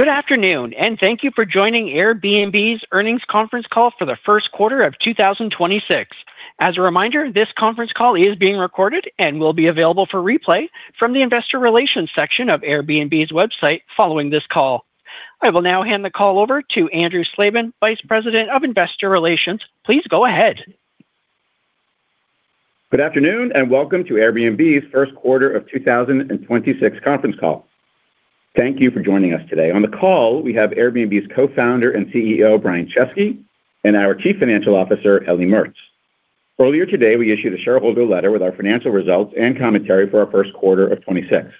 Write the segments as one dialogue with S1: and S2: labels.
S1: Good afternoon, and thank you for joining Airbnb's earnings conference call for the first quarter of 2026. As a reminder, this Conference Call is being recorded and will be available for replay from the investor relations section of Airbnb's website following this call. I will now hand the call over to Andrew Slabin, Vice President of Investor Relations. Please go ahead.
S2: Good afternoon, welcome to Airbnb's first quarter of 2026 conference call. Thank you for joining us today. On the call, we have Airbnb's Co-founder and CEO, Brian Chesky, and our Chief Financial Officer, Ellie Mertz. Earlier today, we issued a shareholder letter with our financial results and commentary for our first quarter of 2026.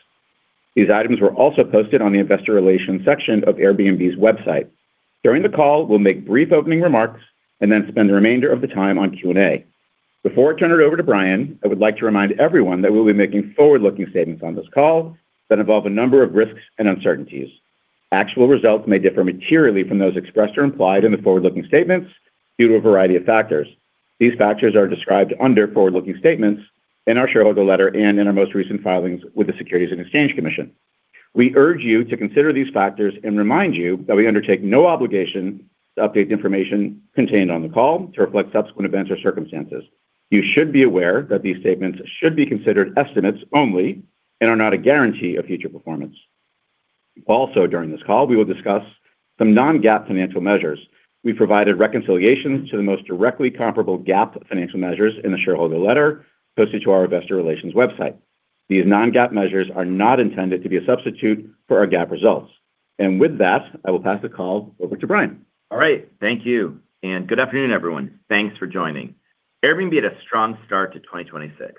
S2: These items were also posted on the investor relations section of Airbnb's website. During the call, we'll make brief opening remarks and then spend the remainder of the time on Q&A. Before I turn it over to Brian, I would like to remind everyone that we'll be making forward-looking statements on this call that involve a number of risks and uncertainties. Actual results may differ materially from those expressed or implied in the forward-looking statements due to a variety of factors. These factors are described under forward-looking statements in our shareholder letter and in our most recent filings with the Securities and Exchange Commission. We urge you to consider these factors and remind you that we undertake no obligation to update the information contained on the call to reflect subsequent events or circumstances. You should be aware that these statements should be considered estimates only and are not a guarantee of future performance. During this call, we will discuss some non-GAAP financial measures. We provided reconciliations to the most directly comparable GAAP financial measures in the shareholder letter posted to our investor relations website. These non-GAAP measures are not intended to be a substitute for our GAAP results. With that, I will pass the call over to Brian.
S3: All right. Thank you. Good afternoon, everyone. Thanks for joining. Airbnb had a strong start to 2026.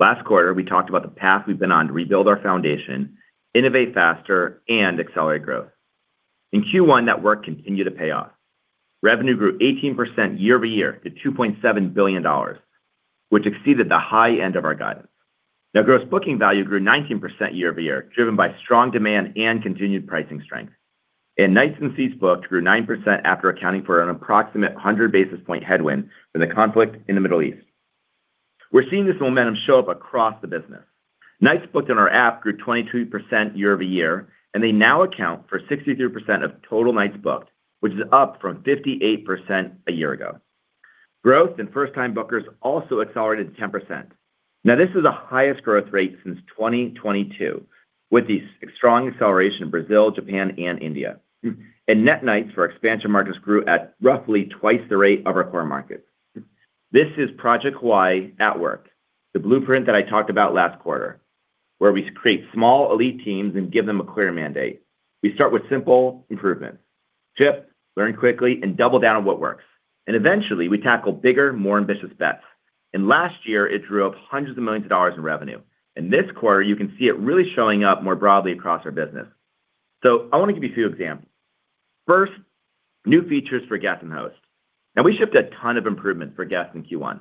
S3: Last quarter, we talked about the path we've been on to rebuild our foundation, innovate faster, and accelerate growth. In Q1, that work continued to pay off. Revenue grew 18% year-over-year to $2.7 billion, which exceeded the high end of our guidance. Gross Booking Value grew 19% year-over-year, driven by strong demand and continued pricing strength. Nights and seats booked grew 9% after accounting for an approximate 100 basis point headwind from the conflict in the Middle East. We're seeing this momentum show up across the business. Nights booked on our app grew 22% year-over-year, and they now account for 63% of total nights booked, which is up from 58% a year ago. Growth in first-time bookers also accelerated to 10%. This is the highest growth rate since 2022, with these strong acceleration in Brazil, Japan, and India. Net nights for expansion markets grew at roughly twice the rate of our core markets. This is Project Hawaii at work, the blueprint that I talked about last quarter, where we create small elite teams and give them a clear mandate. We start with simple improvements, ship, learn quickly, and double down on what works. Eventually, we tackle bigger, more ambitious bets. Last year, it drew up $100 million in revenue. This quarter, you can see it really showing up more broadly across our business. I want to give you a few examples. First, new features for guests and hosts. We shipped a ton of improvements for guests in Q1.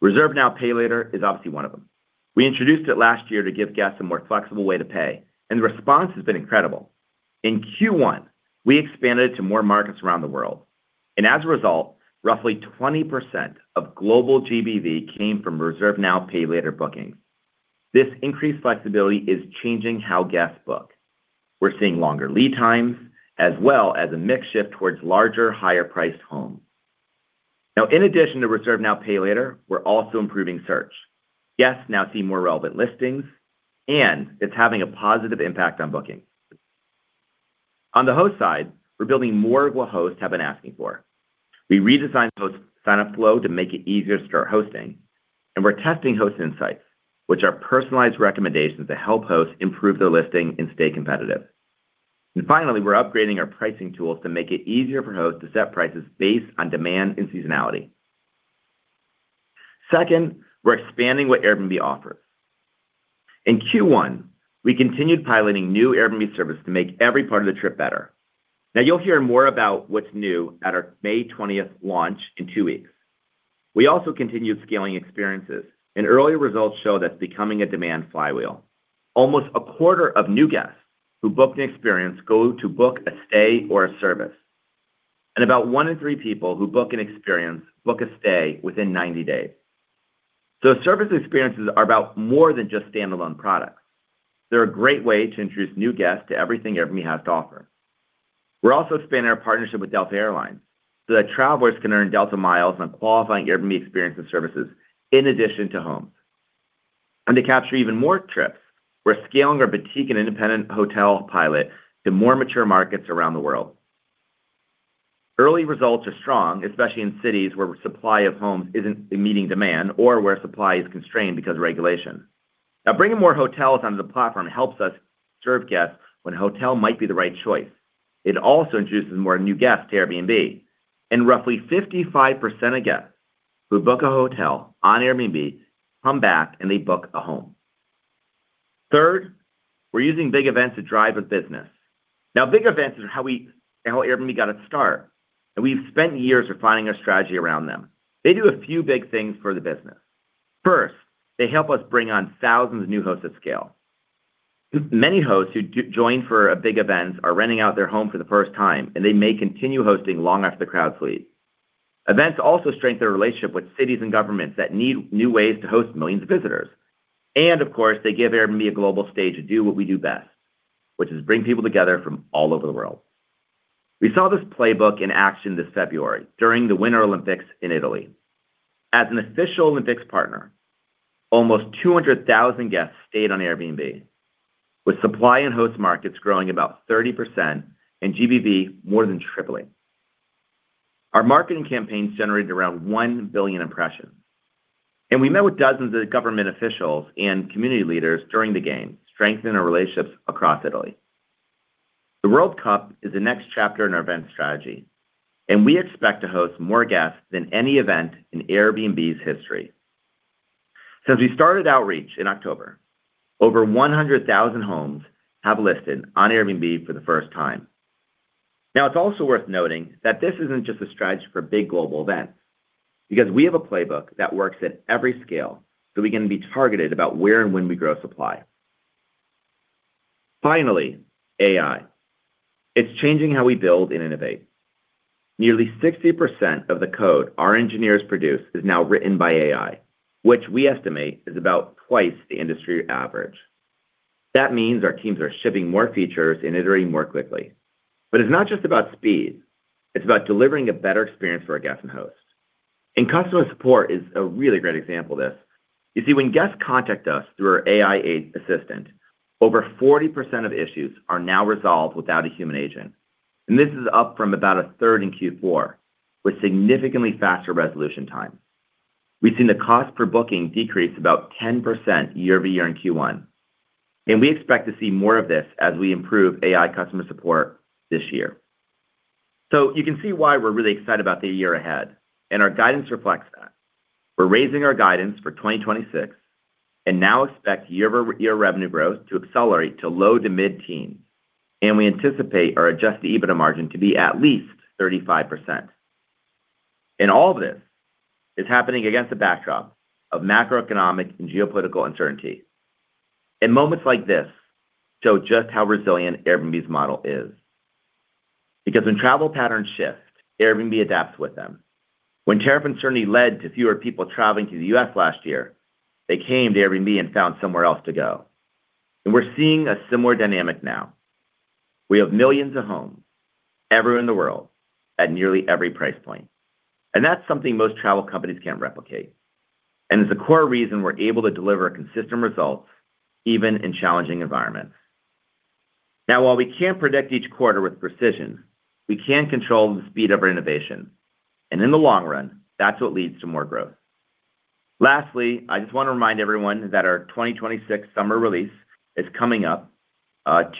S3: Reserve Now, Pay Later is obviously one of them. We introduced it last year to give guests a more flexible way to pay, and the response has been incredible. In Q1, we expanded to more markets around the world. As a result, roughly 20% of global GBV came from Reserve Now, Pay Later bookings. This increased flexibility is changing how guests book. We're seeing longer lead times, as well as a mix shift towards larger, higher-priced homes. In addition to Reserve Now, Pay Later, we're also improving search. Guests now see more relevant listings, and it's having a positive impact on bookings. On the host side, we're building more of what hosts have been asking for. We redesigned the host sign-up flow to make it easier to start hosting. We're testing host insights, which are personalized recommendations to help hosts improve their listing and stay competitive. Finally, we're upgrading our pricing tools to make it easier for hosts to set prices based on demand and seasonality. Second, we're expanding what Airbnb offers. In Q1, we continued piloting new Airbnb Services to make every part of the trip better. Now, you'll hear more about what's new at our May 20th launch in two weeks. We also continued scaling experiences, early results show that it's becoming a demand flywheel. Almost a quarter of new guests who book an experience go to book a stay or a service. About one in three people who book an experience book a stay within 90 days. Service experiences are about more than just standalone products. They're a great way to introduce new guests to everything Airbnb has to offer. We're also expanding our partnership with Delta Air Lines so that travelers can earn Delta miles on qualifying Airbnb Experiences services in addition to homes. To capture even more trips, we're scaling our boutique and independent hotel pilot to more mature markets around the world. Early results are strong, especially in cities where supply of homes isn't meeting demand or where supply is constrained because of regulation. Now, bringing more hotels onto the platform helps us serve guests when a hotel might be the right choice. It also introduces more new guests to Airbnb. Roughly 55% of guests who book a hotel on Airbnb come back, and they book a home. Third, we're using big events to drive a business. Now, big events is how Airbnb got its start, and we've spent years refining our strategy around them. They do a few big things for the business. First, they help us bring on thousands of new hosts at scale. Many hosts who join for a big event are renting out their home for the first time, and they may continue hosting long after the crowd sleeps. Events also strengthen our relationship with cities and governments that need new ways to host millions of visitors. Of course, they give Airbnb a global stage to do what we do best, which is bring people together from all over the world. We saw this playbook in action this February during the Winter Olympics in Italy. As an official Olympics partner, almost 200,000 guests stayed on Airbnb, with supply and host markets growing about 30% and GBV more than tripling. Our marketing campaigns generated around 1 billion impressions. We met with dozens of government officials and community leaders during the game, strengthening our relationships across Italy. The World Cup is the next chapter in our event strategy. We expect to host more guests than any event in Airbnb's history. Since we started outreach in October, over 100,000 homes have listed on Airbnb for the first time. Now, it's also worth noting that this isn't just a strategy for big global events. We have a playbook that works at every scale. We can be targeted about where and when we grow supply. Finally, AI. It's changing how we build and innovate. Nearly 60% of the code our engineers produce is now written by AI, which we estimate is about twice the industry average. That means our teams are shipping more features and iterating more quickly. It's not just about speed, it's about delivering a better experience for our guests and hosts. Customer support is a really great example of this. You see, when guests contact us through our AI assistant, over 40% of issues are now resolved without a human agent. This is up from about a third in Q4, with significantly faster resolution time. We've seen the cost per booking decrease about 10% year-over-year in Q1, and we expect to see more of this as we improve AI customer support this year. You can see why we're really excited about the year ahead, and our guidance reflects that. We're raising our guidance for 2026 and now expect year-over-year revenue growth to accelerate to low to mid-teens, and we anticipate our adjusted EBITDA margin to be at least 35%. All of this is happening against the backdrop of macroeconomic and geopolitical uncertainty. Moments like this show just how resilient Airbnb's model is because when travel patterns shift, Airbnb adapts with them. When tariff uncertainty led to fewer people traveling to the U.S. last year, they came to Airbnb and found somewhere else to go. We're seeing a similar dynamic now. We have millions of homes everywhere in the world at nearly every price point, and that's something most travel companies can't replicate, and it's a core reason we're able to deliver consistent results even in challenging environments. While we can't predict each quarter with precision, we can control the speed of our innovation, and in the long run, that's what leads to more growth. I just want to remind everyone that our 2026 summer release is coming up,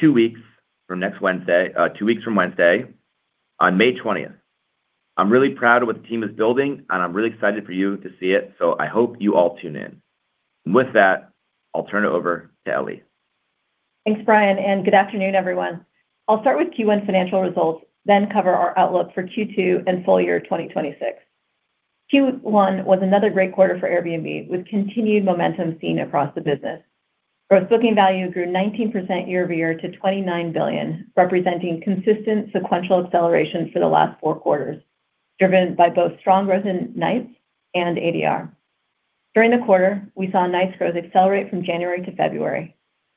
S3: two weeks from Wednesday on May 20th. I'm really proud of what the team is building, and I'm really excited for you to see it, so I hope you all tune in. With that, I'll turn it over to Ellie.
S4: Thanks, Brian. Good afternoon, everyone. I'll start with Q1 financial results, then cover our outlook for Q2 and full year 2026. Q1 was another great quarter for Airbnb, with continued momentum seen across the business. Gross Booking Value grew 19% year-over-year to $29 billion, representing consistent sequential acceleration for the last four quarters, driven by both strong growth in nights and ADR. During the quarter, we saw nights growth accelerate from January-February.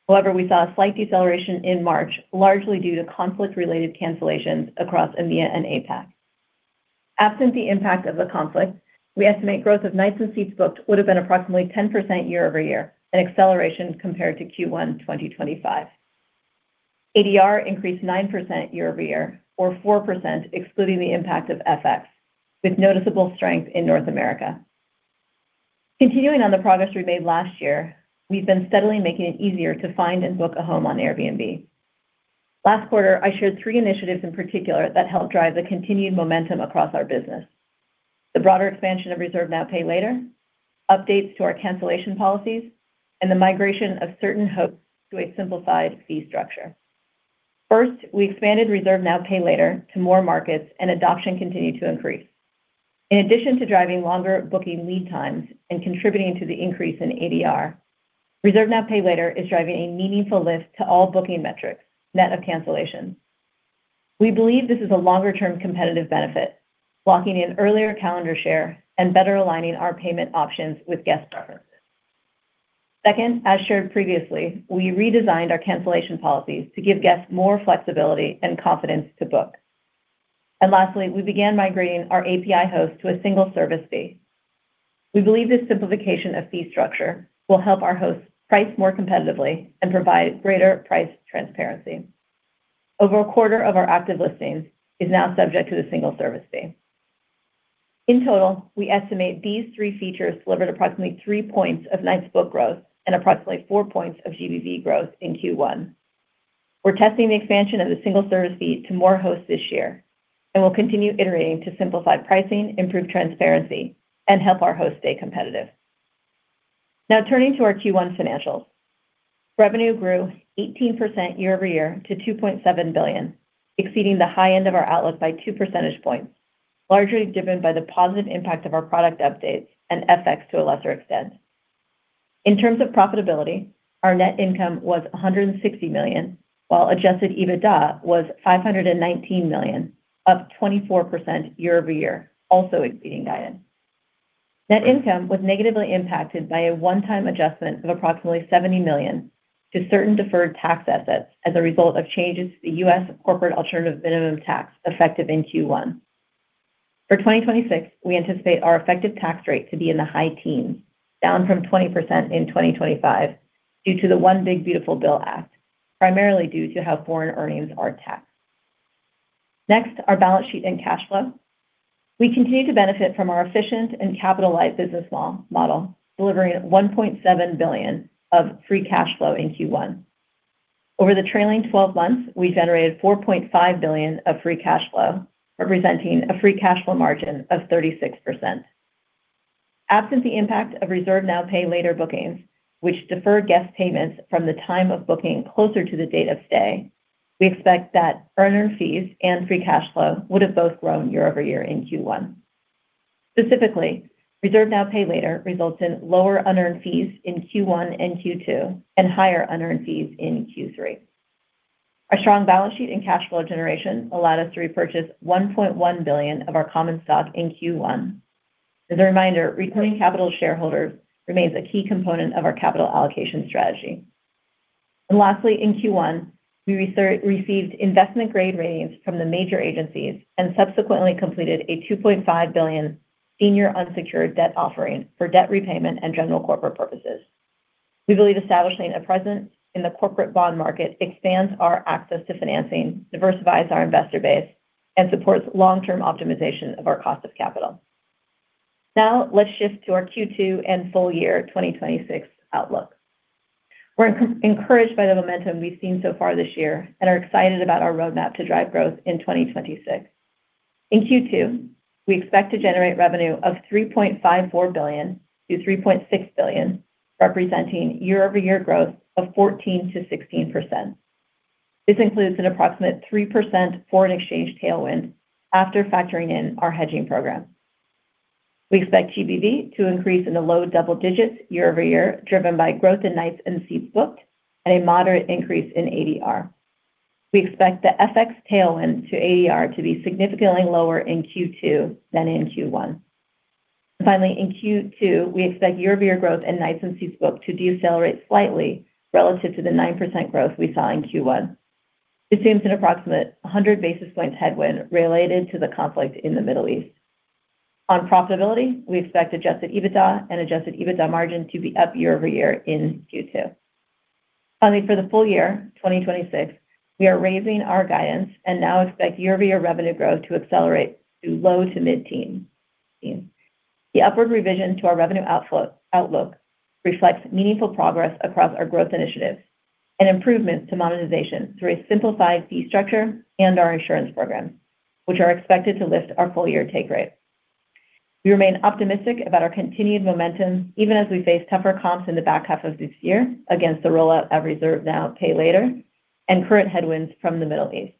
S4: We saw a slight deceleration in March, largely due to conflict-related cancellations across EMEA and APAC. Absent the impact of the conflict, we estimate growth of nights and seats booked would have been approximately 10% year-over-year, an acceleration compared to Q1 2025. ADR increased 9% year-over-year or 4% excluding the impact of FX, with noticeable strength in North America. Continuing on the progress we made last year, we've been steadily making it easier to find and book a home on Airbnb. Last quarter, I shared three initiatives in particular that help drive the continued momentum across our business. The broader expansion of Reserve Now, Pay Later, updates to our cancellation policies, and the migration of certain hosts to a simplified fee structure. First, we expanded Reserve Now, Pay Later to more markets, and adoption continued to increase. In addition to driving longer booking lead times and contributing to the increase in ADR, Reserve Now, Pay Later is driving a meaningful lift to all booking metrics, net of cancellation. We believe this is a longer-term competitive benefit, locking in earlier calendar share and better aligning our payment options with guests better. Second, as shared previously, we redesigned our cancellation policies to give guests more flexibility and confidence to book. Lastly, we began migrating our API hosts to a single service fee. We believe this simplification of fee structure will help our hosts price more competitively and provide greater price transparency. Over a quarter of our active listings is now subject to the single service fee. In total, we estimate these three features delivered approximately three points of nights booked growth and approximately four points of GBV growth in Q1. We're testing the expansion of the single service fee to more hosts this year, we'll continue iterating to simplify pricing, improve transparency, and help our hosts stay competitive. Turning to our Q1 financials. Revenue grew 18% year-over-year to $2.7 billion, exceeding the high end of our outlook by two percentage points, largely driven by the positive impact of our product updates and FX to a lesser extent. In terms of profitability, our net income was $160 million, while adjusted EBITDA was $519 million, up 24% year-over-year, also exceeding guidance. Net income was negatively impacted by a one-time adjustment of approximately $70 million to certain deferred tax assets as a result of changes to the U.S. corporate alternative minimum tax effective in Q1. For 2026, we anticipate our effective tax rate to be in the high teens, down from 20% in 2025 due to the One Big Beautiful Bill Act, primarily due to how foreign earnings are taxed. Next, our balance sheet and cash flow. We continue to benefit from our efficient and capitalized business model, delivering $1.7 billion of free cash flow in Q1. Over the trailing twelve months, we generated $4.5 billion of free cash flow, representing a free cash flow margin of 36%. Absent the impact of Reserve Now, Pay Later bookings, which defer guest payments from the time of booking closer to the date of stay, we expect that unearned fees and free cash flow would have both grown year-over-year in Q1. Specifically, Reserve Now, Pay Later results in lower unearned fees in Q1 and Q2 and higher unearned fees in Q3. Our strong balance sheet and cash flow generation allowed us to repurchase $1.1 billion of our common stock in Q1. As a reminder, returning capital to shareholders remains a key component of our capital allocation strategy. Lastly, in Q1, we received investment grade ratings from the major agencies and subsequently completed a $2.5 billion senior unsecured debt offering for debt repayment and general corporate purposes. We believe establishing a presence in the corporate bond market expands our access to financing, diversifies our investor base, and supports long-term optimization of our cost of capital. Let's shift to our Q2 and full year 2026 outlook. We're encouraged by the momentum we've seen so far this year and are excited about our roadmap to drive growth in 2026. In Q2, we expect to generate revenue of $3.54 billion-$3.6 billion, representing year-over-year growth of 14%-16%. This includes an approximate 3% foreign exchange tailwind after factoring in our hedging program. We expect GBV to increase in the low double digits year-over-year, driven by growth in nights and seats booked and a moderate increase in ADR. We expect the FX tailwind to ADR to be significantly lower in Q2 than in Q1. In Q2, we expect year-over-year growth in nights and seats booked to decelerate slightly relative to the 9% growth we saw in Q1. This seems an approximate 100 basis points headwind related to the conflict in the Middle East. On profitability, we expect adjusted EBITDA and adjusted EBITDA margin to be up year-over-year in Q2. For the full year, 2026, we are raising our guidance and now expect year-over-year revenue growth to accelerate to low to mid-teen. The upward revision to our revenue outlook reflects meaningful progress across our growth initiatives and improvements to monetization through a simplified fee structure and our insurance program, which are expected to lift our full-year take rate. We remain optimistic about our continued momentum, even as we face tougher comps in the back half of this year against the rollout of Reserve Now, Pay Later and current headwinds from the Middle East.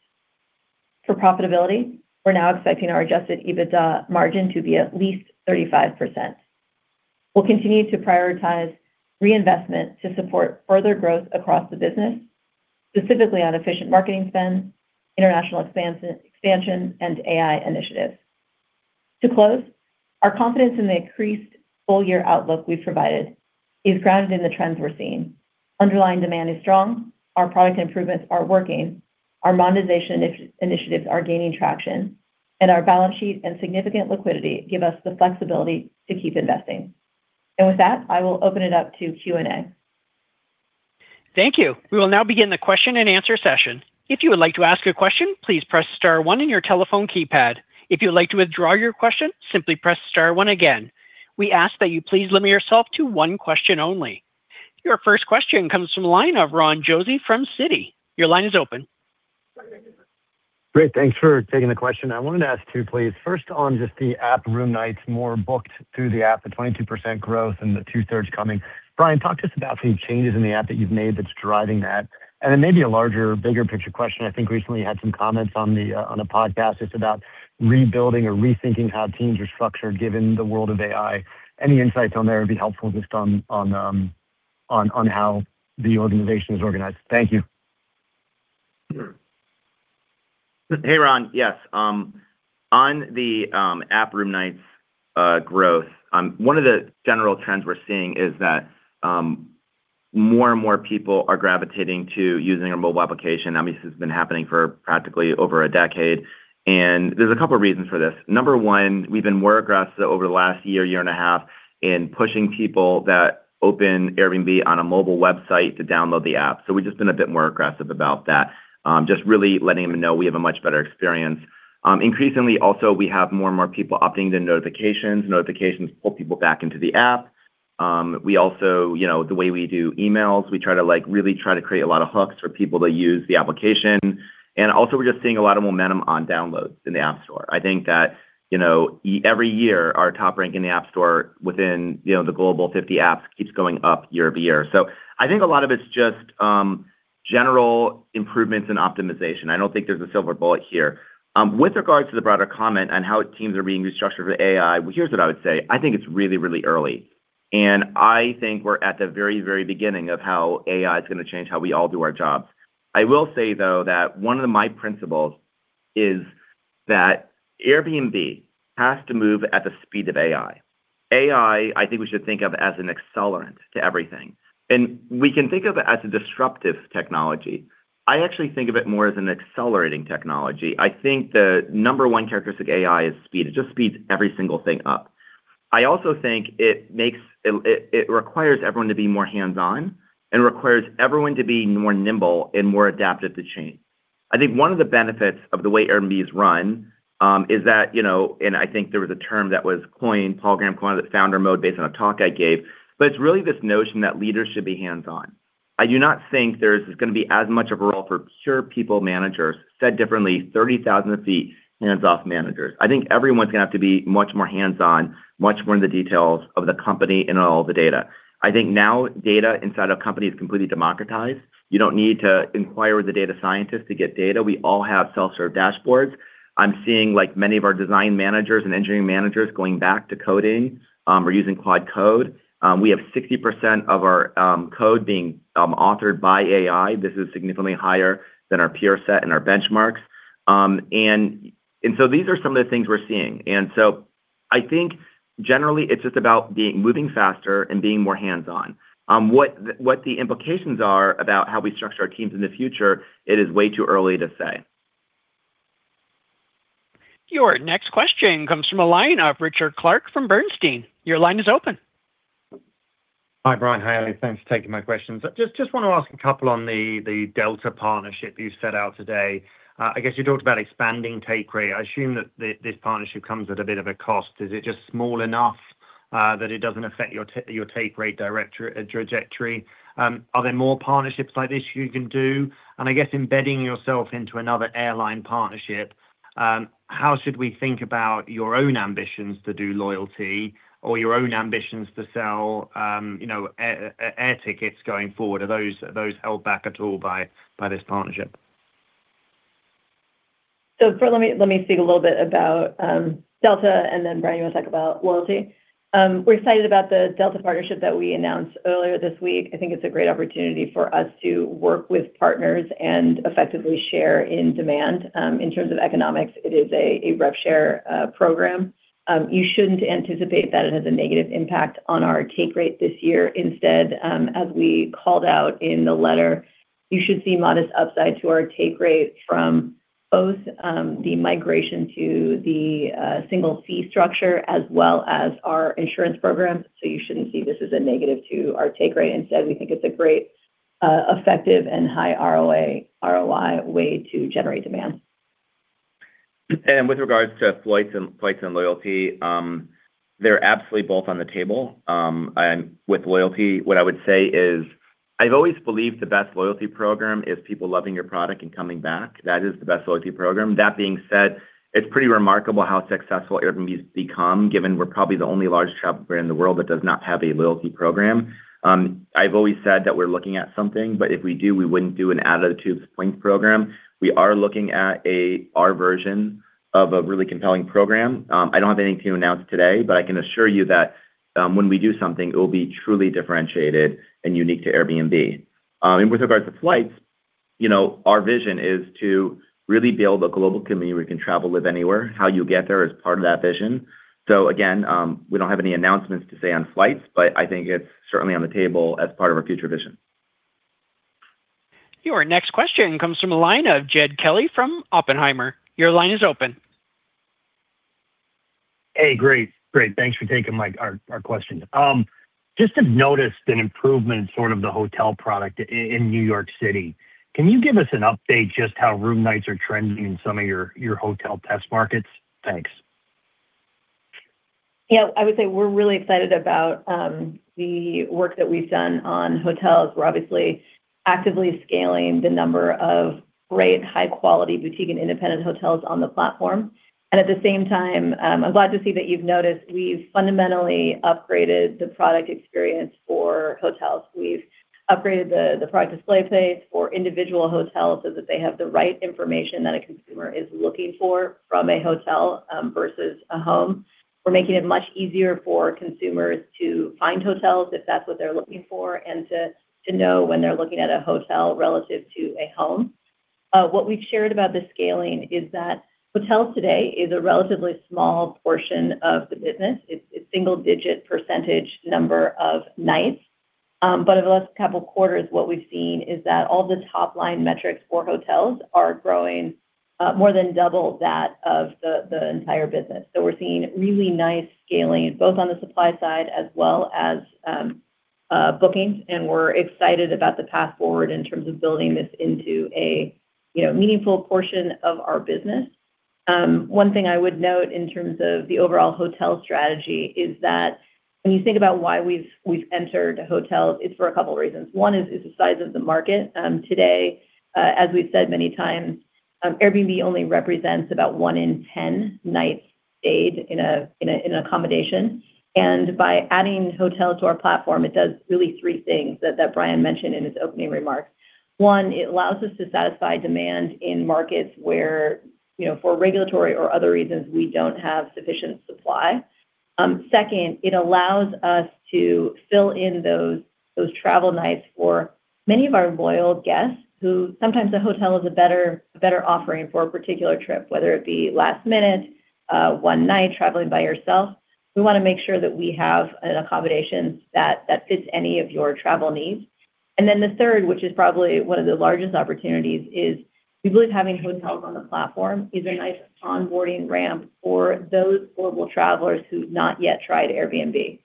S4: For profitability, we're now expecting our adjusted EBITDA margin to be at least 35%. We'll continue to prioritize reinvestment to support further growth across the business, specifically on efficient marketing spend, international expansion, and AI initiatives. To close, our confidence in the increased full-year outlook we've provided is grounded in the trends we're seeing. Underlying demand is strong, our product improvements are working, our monetization initiatives are gaining traction, and our balance sheet and significant liquidity give us the flexibility to keep investing. With that, I will open it up to Q&A.
S1: Thank you. We will now begin the question and answer session. If you would like to ask a question, please press star one on your telephone keypad. If you would like to withdraw your question, simply press star one again. We ask that you please limit yourself to one question only. Your first question comes from line of Ronald Josey from Citi. Your line is open.
S5: Great. Thanks for taking the question. I wanted to ask two, please. First, on just the app room nights more booked through the app, the 22% growth and the two-thirds coming. Brian, talk to us about the changes in the app that you've made that's driving that. Then maybe a larger, bigger picture question. I think recently you had some comments on the on a podcast. It's about rebuilding or rethinking how teams are structured given the world of AI. Any insights on there would be helpful just on how the organization is organized. Thank you.
S3: Sure. Hey, Ron. On the app room nights growth, one of the general trends we're seeing is that more and more people are gravitating to using our mobile application. I mean, this has been happening for practically over a decade, there's two reasons for this. Number one, we've been more aggressive over the last year, 1.5 years in pushing people that open Airbnb on a mobile website to download the app. We've just been a bit more aggressive about that, just really letting them know we have a much better experience. Increasingly also, we have more and more people opting into notifications. Notifications pull people back into the app. We also, you know, the way we do emails, we try to, like, really create a lot of hooks for people to use the application. Also, we're just seeing a lot of momentum on downloads in the App Store. I think that, you know, every year, our top rank in the App Store within, you know, the global 50 apps keeps going up year-over-year. I think a lot of it's just General improvements in optimization. I don't think there's a silver bullet here. With regards to the broader comment on how teams are being restructured for AI, well, here's what I would say. I think it's really, really early, and I think we're at the very, very beginning of how AI's gonna change how we all do our jobs. I will say, though, that one of my principles is that Airbnb has to move at the speed of AI. AI, I think we should think of as an accelerant to everything, and we can think of it as a disruptive technology. I actually think of it more as an accelerating technology. I think the number one characteristic of AI is speed. It just speeds every single thing up. I also think it makes it requires everyone to be more hands-on and requires everyone to be more nimble and more adaptive to change. I think one of the benefits of the way Airbnb is run, is that, you know, and I think there was a term that was coined, Paul Graham coined it, founder mode, based on a talk I gave. It's really this notion that leaders should be hands-on. I do not think there's gonna be as much of a role for pure people managers. Said differently, 30,000 feet hands-off managers. I think everyone's gonna have to be much more hands-on, much more in the details of the company and all the data. I think now data inside a company is completely democratized. You don't need to inquire with the data scientist to get data. We all have self-serve dashboards. I'm seeing, like, many of our design managers and engineering managers going back to coding, or using quad code. We have 60% of our code being authored by AI. This is significantly higher than our peer set and our benchmarks. These are some of the things we're seeing. I think generally it's just about moving faster and being more hands-on. What the implications are about how we structure our teams in the future, it is way too early to say.
S1: Your next question comes from a line of Richard Clarke from Bernstein. Your line is open.
S6: Hi, Brian. Ellie Mertz. Thanks for taking my questions. Just wanna ask a couple on the Delta partnership you've set out today. I guess you talked about expanding take rate. I assume that this partnership comes at a bit of a cost. Is it just small enough that it doesn't affect your take rate trajectory? Are there more partnerships like this you can do? I guess embedding yourself into another airline partnership, how should we think about your own ambitions to do loyalty or your own ambitions to sell, you know, air tickets going forward? Are those held back at all by this partnership?
S4: First let me speak a little bit about Delta, and then Brian, you wanna talk about loyalty. We're excited about the Delta partnership that we announced earlier this week. I think it's a great opportunity for us to work with partners and effectively share in demand. In terms of economics, it is a rev share program. You shouldn't anticipate that it has a negative impact on our take rate this year. Instead, as we called out in the letter, you should see modest upside to our take rate from both the migration to the single fee structure as well as our Insurance Program. You shouldn't see this as a negative to our take rate. Instead, we think it's a great, effective and high ROI way to generate demand.
S3: With regards to flights and loyalty, they're absolutely both on the table. With loyalty, what I would say is, I've always believed the best loyalty program is people loving your product and coming back. That is the best loyalty program. That being said, it's pretty remarkable how successful Airbnb's become, given we're probably the only large travel brand in the world that does not have a loyalty program. I've always said that we're looking at something, but if we do, we wouldn't do an out of the box points program. We are looking at our version of a really compelling program. I don't have anything to announce today, but I can assure you that when we do something, it will be truly differentiated and unique to Airbnb. With regards to flights, you know, our vision is to really build a global community where you can travel, live anywhere. How you get there is part of that vision. Again, we don't have any announcements to say on flights, but I think it's certainly on the table as part of our future vision.
S1: Your next question comes from a line of Jed Kelly from Oppenheimer. Your line is open.
S7: Hey, great. Great. Thanks for taking our question. Just have noticed an improvement in sort of the hotel product in New York City. Can you give us an update just how room nights are trending in some of your hotel test markets? Thanks.
S4: Yeah. I would say we're really excited about the work that we've done on hotels. We're obviously actively scaling the number of great high-quality boutique and independent hotels on the platform. At the same time, I'm glad to see that you've noticed we've fundamentally upgraded the product experience for hotels. We've upgraded the product display page for individual hotels so that they have the right information that a consumer is looking for from a hotel versus a home. We're making it much easier for consumers to find hotels if that's what they're looking for, and to know when they're looking at a hotel relative to a home. What we've shared about the scaling is that hotels today is a relatively small portion of the business. It's a single-digit percentage number of nights. Over the last couple quarters, what we've seen is that all the top-line metrics for hotels are growing, more than double that of the entire business. We're seeing really nice scaling, both on the supply side as well as bookings. We're excited about the path forward in terms of building this into a, you know, meaningful portion of our business. One thing I would note in terms of the overall hotel strategy is that when you think about why we've entered hotels, it's for a couple reasons. one is the size of the market. Today, as we've said many times, Airbnb only represents about one in 10 nights stayed in a, in a, in accommodation. By adding hotel to our platform, it does really three things that Brian mentioned in his opening remarks. One, it allows us to satisfy demand in markets where, you know, for regulatory or other reasons, we don't have sufficient supply. Second, it allows us to fill in those travel nights for many of our loyal guests who sometimes the hotel is a better, a better offering for a particular trip, whether it be last minute, one night traveling by yourself. We wanna make sure that we have an accommodation that fits any of your travel needs. The third, which is probably one of the largest opportunities, is we believe having hotels on the platform is a nice onboarding ramp for those global travelers who've not yet tried Airbnb.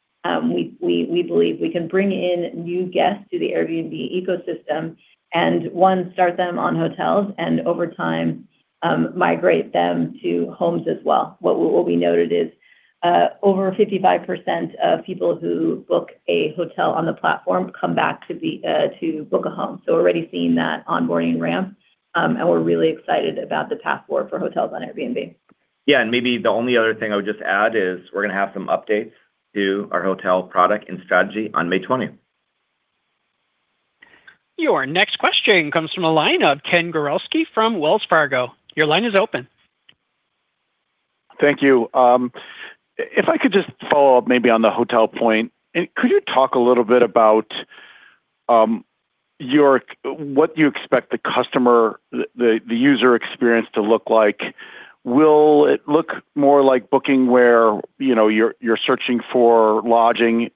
S4: We believe we can bring in new guests to the Airbnb ecosystem, one, start them on hotels, over time, migrate them to homes as well. What we noted is, over 55% of people who book a hotel on the platform come back to the to book a home. We're already seeing that onboarding ramp, and we're really excited about the path forward for hotels on Airbnb.
S3: Yeah. Maybe the only other thing I would just add is we're gonna have some updates to our hotel product and strategy on May 20th.
S1: Your next question comes from the line of Ken Gawrelski from Wells Fargo. Your line is open.
S8: Thank you. If I could just follow up maybe on the hotel point, could you talk a little bit about what you expect the customer, the user experience to look like? Will it look more like booking where, you know, you're searching for lodging,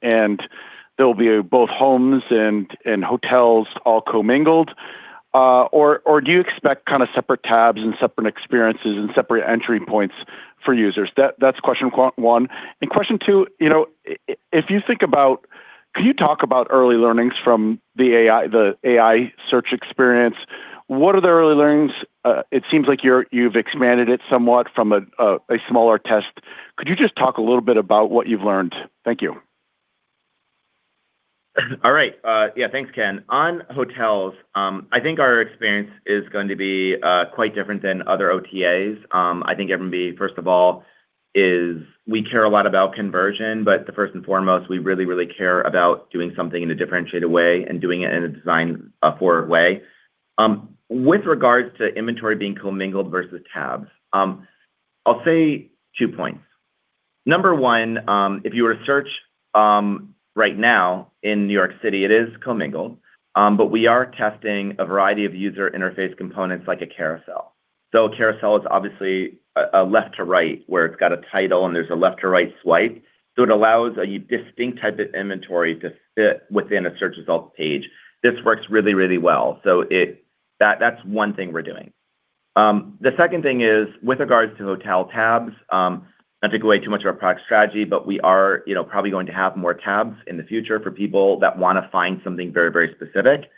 S8: there'll be both homes and hotels all commingled? Or do you expect kind of separate tabs and separate experiences and separate entry points for users? That's question one. Question two, you know, if you think about, could you talk about early learnings from the AI search experience? What are the early learnings? It seems like you've expanded it somewhat from a smaller test. Could you just talk a little bit about what you've learned? Thank you.
S3: Thanks, Ken. On hotels, I think our experience is going to be quite different than other OTAs. I think Airbnb, first of all, is we care a lot about conversion, the first and foremost, we really, really care about doing something in a differentiated way and doing it in a design forward way. With regards to inventory being commingled versus tabs, I'll say two points. Number one, if you were to search right now in New York City, it is commingled, we are testing a variety of user interface components like a carousel. A carousel is obviously a left to right, where it's got a title, there's a left to right swipe, it allows a distinct type of inventory to fit within a search results page. This works really, really well, that's one thing we're doing. The second thing is, with regards to hotel tabs, not to give away too much of our product strategy, we are, you know, probably going to have more tabs in the future for people that wanna find something very, very specific.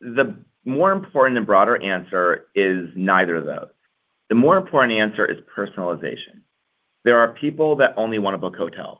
S3: The more important and broader answer is neither of those. The more important answer is personalization. There are people that only wanna book hotels.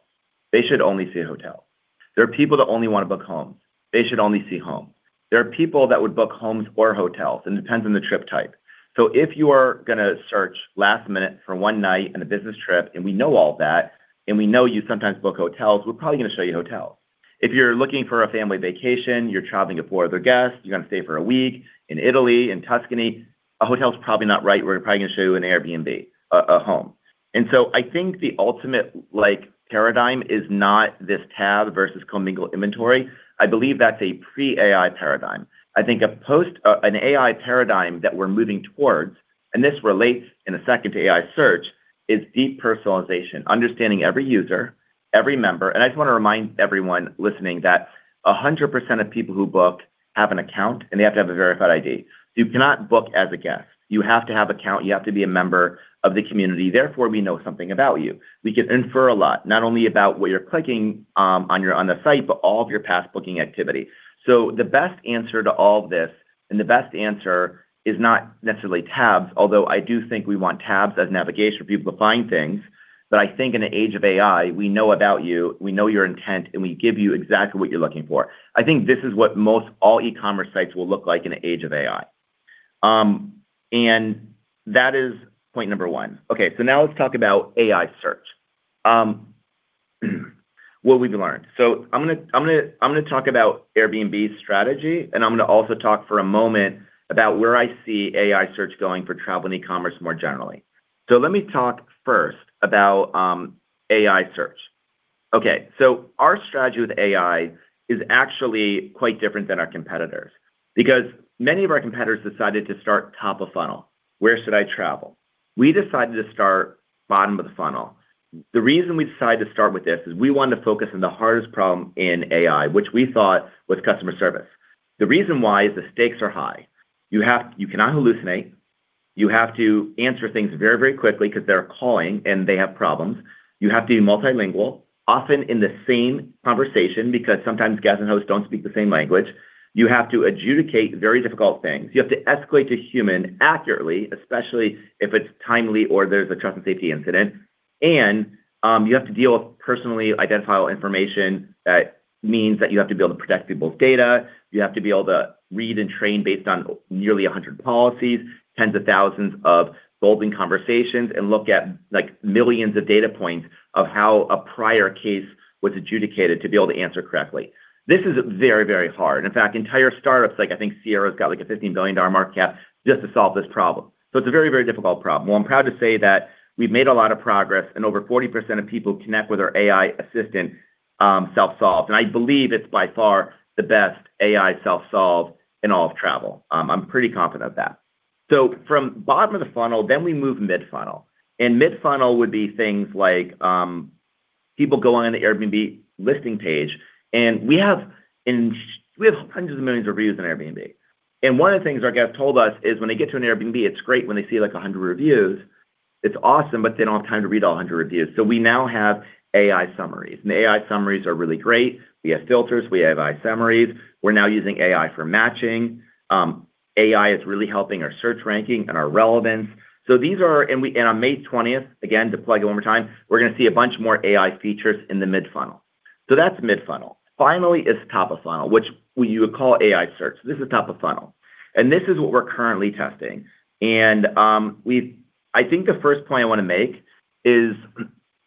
S3: They should only see a hotel. There are people that only wanna book homes. They should only see home. There are people that would book homes or hotels, and it depends on the trip type. If you are going to search last minute for one night on a business trip, and we know all that, and we know you sometimes book hotels, we're probably going to show you hotels. If you're looking for a family vacation, you're traveling with four other guests, you're going to stay for one week in Italy, in Tuscany, a hotel's probably not right. We're probably going to show you an Airbnb, a home. I think the ultimate, like, paradigm is not this tab versus commingled inventory. I believe that's a pre-AI paradigm. I think a post-AI paradigm that we're moving towards, and this relates in a second to AI search, is deep personalization, understanding every user, every member. I just want to remind everyone listening that 100% of people who book have an account, and they have to have a verified ID. You cannot book as a guest. You have to have account. You have to be a member of the community. Therefore, we know something about you. We can infer a lot, not only about what you're clicking on the site, but all of your past booking activity. The best answer to all of this, and the best answer is not necessarily tabs, although I do think we want tabs as navigation for people to find things, but I think in the age of AI, we know about you, we know your intent, and we give you exactly what you're looking for. I think this is what most all e-commerce sites will look like in the age of AI. That is point number one. Okay, now let's talk about AI search. What we've learned. I'm gonna talk about Airbnb's strategy, and I'm gonna also talk for a moment about where I see AI search going for travel and e-commerce more generally. Let me talk first about AI search. Okay. Our strategy with AI is actually quite different than our competitors because many of our competitors decided to start top of funnel. Where should I travel? We decided to start bottom of the funnel. The reason we decided to start with this is we wanted to focus on the hardest problem in AI, which we thought was customer service. The reason why is the stakes are high. You cannot hallucinate. You have to answer things very quickly because they're calling, and they have problems. You have to be multilingual, often in the same conversation because sometimes guests and hosts don't speak the same language. You have to adjudicate very difficult things. You have to escalate to human accurately, especially if it's timely or there's a trust and safety incident. You have to deal with personally identifiable information. That means that you have to be able to protect people's data. You have to be able to read and train based on nearly 100 policies, tens of thousands of bolding conversations, and look at, like, millions of data points of how a prior case was adjudicated to be able to answer correctly. This is very, very hard. In fact, entire startups, like I think Sierra's got, like, a $15 billion market cap just to solve this problem. It's a very, very difficult problem. Well, I'm proud to say that we've made a lot of progress, and over 40% of people connect with our AI assistant, self-solve. I believe it's by far the best AI self-solve in all of travel. I'm pretty confident of that. From bottom of the funnel, we move mid-funnel. Mid-funnel would be things like people go on an Airbnb listing page, we have hundreds of millions of reviews on Airbnb. One of the things our guests told us is when they get to an Airbnb, it's great when they see, like, 100 reviews. It's awesome, but they don't have time to read all 100 reviews. We now have AI summaries, and AI summaries are really great. We have filters. We have AI summaries. We're now using AI for matching. AI is really helping our search ranking and our relevance. On May twentieth, again, to plug it one more time, we're going to see a bunch more AI features in the mid-funnel. That's mid-funnel. Finally is top of funnel, which we would call AI search. This is top of funnel, and this is what we're currently testing. I think the first point I want to make is,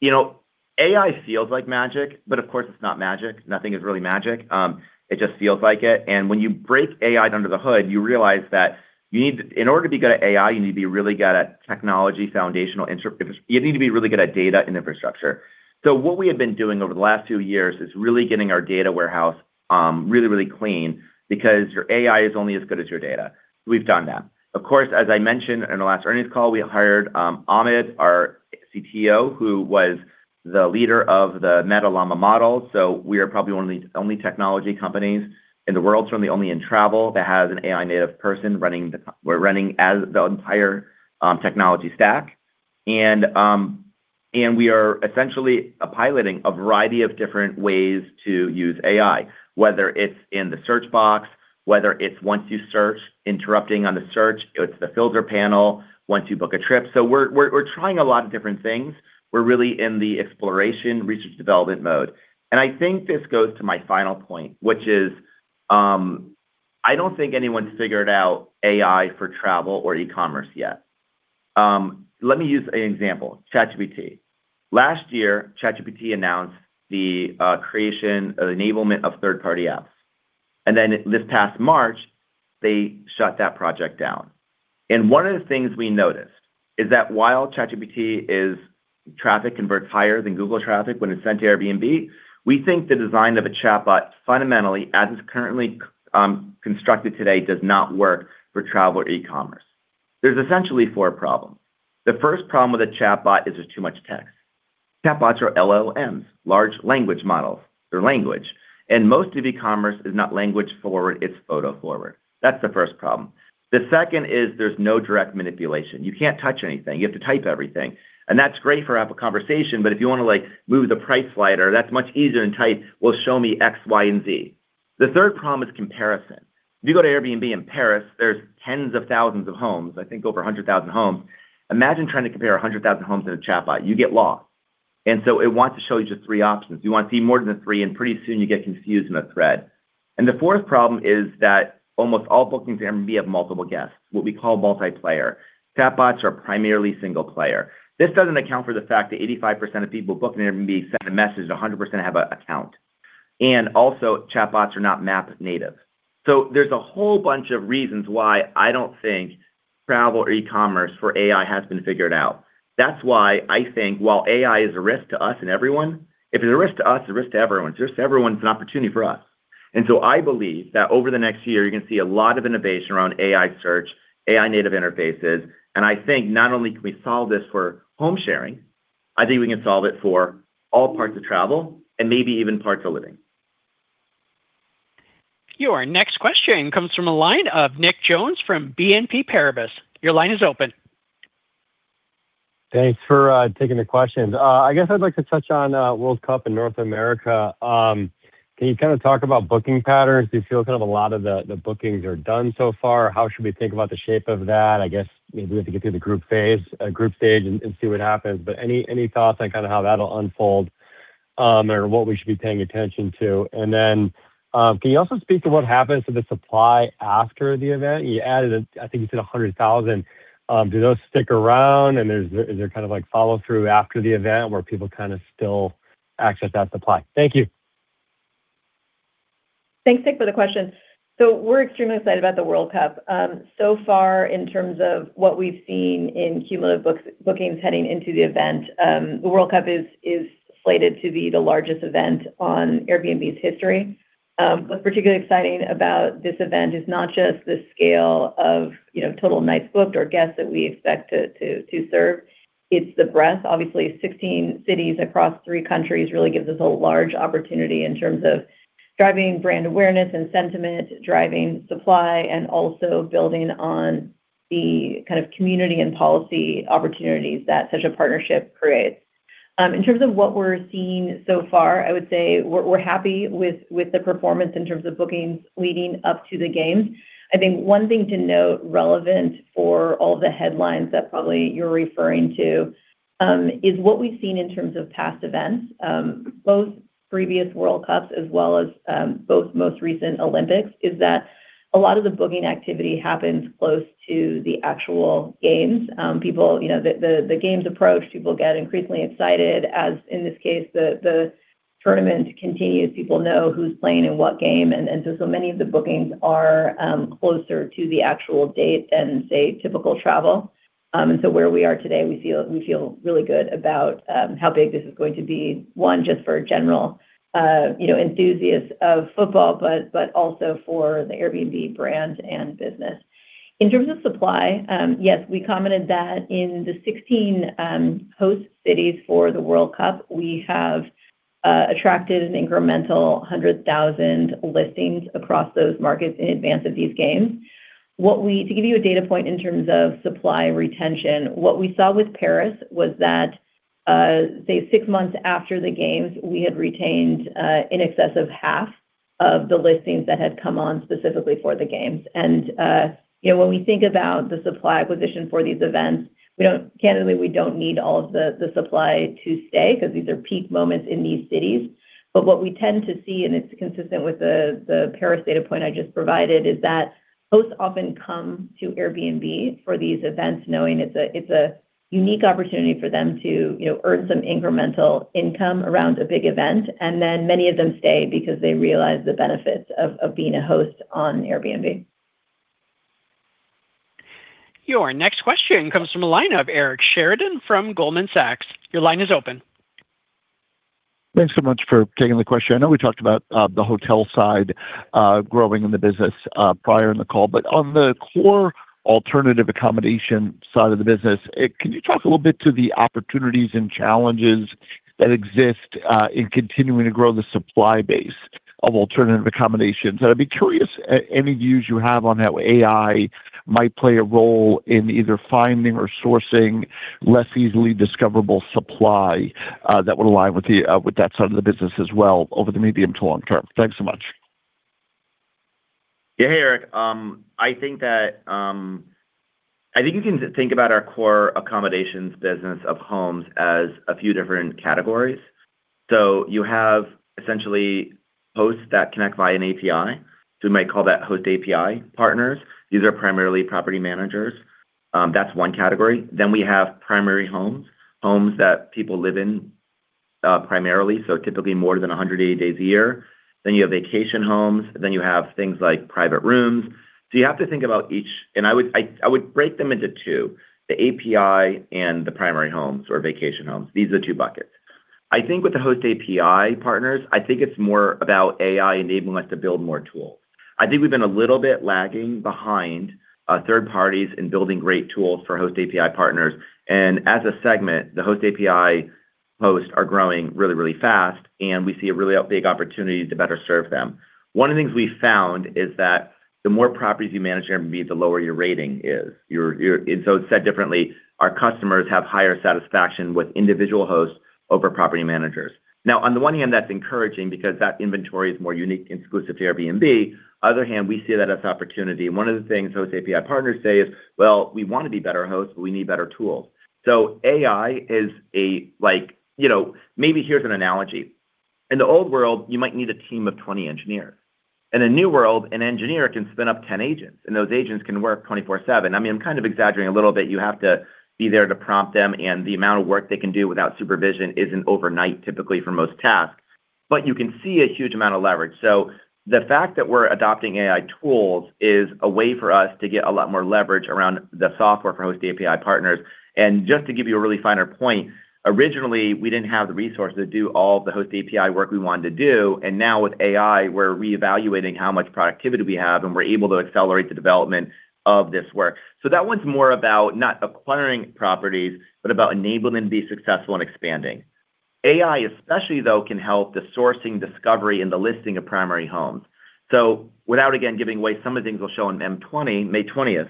S3: you know, AI feels like magic, but of course, it's not magic. Nothing is really magic. It just feels like it. When you break AI under the hood, you realize that in order to be good at AI, you need to be really good at technology foundational. You need to be really good at data and infrastructure. What we have been doing over the last two years is really getting our data warehouse clean because your AI is only as good as your data. We've done that. Of course, as I mentioned in the last earnings call, we hired Ahmad, our CTO, who was the leader of the Meta Llama model. We are probably one of the only technology companies in the world, certainly the only in travel, that has an AI-native person running the entire technology stack. We are essentially piloting a variety of different ways to use AI, whether it's in the search box, whether it's once you search, interrupting on the search, it's the filter panel once you book a trip. We're trying a lot of different things. We're really in the exploration, research development mode. I think this goes to my final point, which is, I don't think anyone's figured out AI for travel or e-commerce yet. Let me use an example, ChatGPT. Last year, ChatGPT announced the creation, enablement of third-party apps. Then this past March, they shut that project down. One of the things we noticed is that while ChatGPT traffic converts higher than Google traffic when it's sent to Airbnb, we think the design of a chatbot fundamentally, as it's currently constructed today, does not work for travel or e-commerce. There's essentially four problems. The 1st problem with a chatbot is there's too much text. Chatbots are LLMs, large language models. They're language. Most of e-commerce is not language-forward, it's photo-forward. That's the 1st problem. The 2nd is there's no direct manipulation. You can't touch anything. You have to type everything. That's great for a conversation, but if you want to, like, move the price slider, that's much easier than type, "Well, show me X, Y, and Z." The third problem is comparison. If you go to Airbnb in Paris, there's tens of thousands of homes, I think over 100,000 homes. Imagine trying to compare 100,000 homes in a chatbot. You get lost. So it wants to show you just three options. You want to see more than the three, and pretty soon you get confused in a thread. The fourth problem is that almost all bookings in Airbnb have multiple guests, what we call multiplayer. Chatbots are primarily single-player. This doesn't account for the fact that 85% of people booking Airbnb send a message, 100% have a account. Also, chatbots are not map-native. There's a whole bunch of reasons why I don't think travel or e-commerce for AI has been figured out. That's why I think while AI is a risk to us and everyone, if it's a risk to us, it's a risk to everyone. It's a risk to everyone, it's an opportunity for us. I believe that over the next year, you're gonna see a lot of innovation around AI search, AI-native interfaces, and I think not only can we solve this for home sharing, I think we can solve it for all parts of travel and maybe even parts of living.
S1: Your next question comes from a line of Nick Jones from BNP Paribas. Your line is open.
S9: Thanks for taking the questions. I guess I'd like to touch on World Cup in North America. Can you kind of talk about booking patterns? Do you feel kind of a lot of the bookings are done so far? How should we think about the shape of that? I guess maybe we have to get through the group phase, group stage and see what happens. Any thoughts on kind of how that'll unfold, or what we should be paying attention to? Can you also speak to what happens to the supply after the event? You added, I think you said 100,000. Do those stick around and is there kind of like follow-through after the event where people kind of still access that supply? Thank you.
S4: Thanks, Nick, for the question. We're extremely excited about the World Cup. So far, in terms of what we've seen in cumulative books, bookings heading into the event, the World Cup is slated to be the largest event on Airbnb's history. What's particularly exciting about this event is not just the scale of, you know, total nights booked or guests that we expect to serve. It's the breadth. Obviously, 16 cities across three countries really gives us a large opportunity in terms of driving brand awareness and sentiment, driving supply, and also building on the kind of community and policy opportunities that such a partnership creates. In terms of what we're seeing so far, I would say we're happy with the performance in terms of bookings leading up to the games. I think one thing to note relevant for all the headlines that probably you're referring to. Is what we've seen in terms of past events, both previous World Cups as well as, both most recent Olympics, is that a lot of the booking activity happens close to the actual games. People, you know, the games approach, people get increasingly excited as, in this case, the tournament continues. People know who's playing in what game. Many of the bookings are closer to the actual date than, say, typical travel. Where we are today, we feel really good about how big this is going to be, one, just for general, you know, enthusiasts of football, but also for the Airbnb brand and business. In terms of supply, yes, we commented that in the 16 host cities for the World Cup, we have attracted an incremental 100,000 listings across those markets in advance of these games. To give you a data point in terms of supply retention, what we saw with Paris was that, say six months after the games, we had retained in excess of half of the listings that had come on specifically for the games. You know, when we think about the supply acquisition for these events, candidly, we don't need all of the supply to stay because these are peak moments in these cities. What we tend to see, and it's consistent with the Paris data point I just provided, is that hosts often come to Airbnb for these events knowing it's a unique opportunity for them to, you know, earn some incremental income around a big event. Many of them stay because they realize the benefits of being a host on Airbnb.
S1: Your next question comes from the line of Eric Sheridan from Goldman Sachs. Your line is open.
S10: Thanks so much for taking the question. I know we talked about the hotel side growing in the business prior in the call. On the core alternative accommodation side of the business, can you talk a little bit to the opportunities and challenges that exist in continuing to grow the supply base of alternative accommodations? I'd be curious any views you have on how AI might play a role in either finding or sourcing less easily discoverable supply that would align with the with that side of the business as well over the medium to long term. Thanks so much.
S3: Hey, Eric. I think you can think about our core accommodations business of homes as a few different categories. You have essentially hosts that connect via an API, so we might call that host API partners. These are primarily property managers. That's one category. We have primary homes that people live in, primarily, so typically more than 180 days a year. You have vacation homes, you have things like private rooms. You have to think about each. I would break them into two, the API and the primary homes or vacation homes. These are the two buckets. I think with the host API partners, I think it's more about AI enabling us to build more tools. I think we've been a little bit lagging behind third parties in building great tools for host API partners. As a segment, the host API hosts are growing really, really fast, and we see a really big opportunity to better serve them. One of the things we found is that the more properties you manage at Airbnb, the lower your rating is. Said differently, our customers have higher satisfaction with individual hosts over property managers. On the one hand, that's encouraging because that inventory is more unique and exclusive to Airbnb. On the other hand, we see that as opportunity. One of the things host API partners say is, "Well, we want to be better hosts, but we need better tools." AI is a like, you know. Maybe here's an analogy. In the old world, you might need a team of 20 engineers. In a new world, an engineer can spin up 10 agents, and those agents can work 24/7. I mean, I'm kind of exaggerating a little bit. You have to be there to prompt them, and the amount of work they can do without supervision isn't overnight, typically for most tasks. You can see a huge amount of leverage. The fact that we're adopting AI tools is a way for us to get a lot more leverage around the software for host API partners. Just to give you a really finer point, originally, we didn't have the resources to do all the host API work we wanted to do. Now with AI, we're reevaluating how much productivity we have, and we're able to accelerate the development of this work. That one's more about not acquiring properties, but about enabling them to be successful and expanding. AI especially, though, can help the sourcing, discovery, and the listing of primary homes. Without, again, giving away some of the things we'll show on May 20th,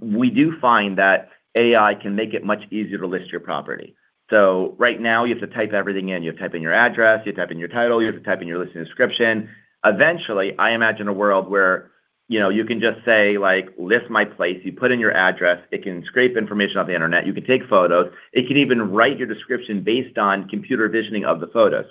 S3: we do find that AI can make it much easier to list your property. Right now you have to type everything in. You have to type in your address, you have to type in your title, you have to type in your listing description. Eventually, I imagine a world where, you know, you can just say, like, "List my place." You put in your address, it can scrape information off the internet. You can take photos. It can even write your description based on computer vision of the photo.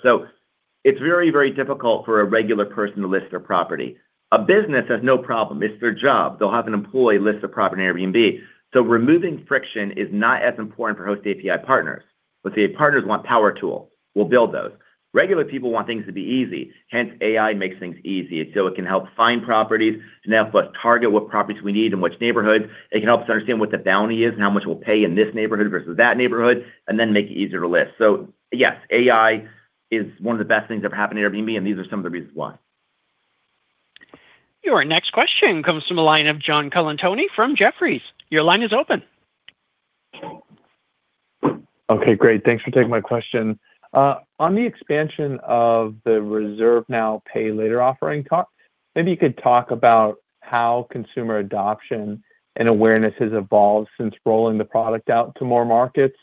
S3: It's very, very difficult for a regular person to list their property. A business has no problem. It's their job. They'll have an employee list the property on Airbnb. Removing friction is not as important for host API partners. Let's say partners want power tool. We'll build those. Regular people want things to be easy. Hence, AI makes things easy. It can help find properties. It can help us target what properties we need in which neighborhood. It can help us understand what the bounty is and how much we'll pay in this neighborhood versus that neighborhood, and then make it easier to list. Yes, AI is one of the best things that ever happened to Airbnb, and these are some of the reasons why.
S1: Your next question comes from a line of John Colantuoni from Jefferies. Your line is open.
S11: Okay, great. Thanks for taking my question. On the expansion of the Reserve Now, Pay Later offering talk, maybe you could talk about how consumer adoption and awareness has evolved since rolling the product out to more markets,